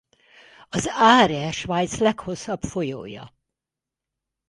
Az Aare Svájc leghosszabb folyója.